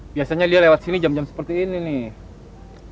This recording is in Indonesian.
biasanya dia lewat sini jam jam seperti ini nih